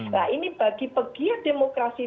nah ini bagi pegiat demokrasi